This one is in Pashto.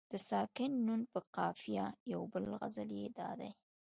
د ساکن نون په قافیه یو بل غزل یې دادی.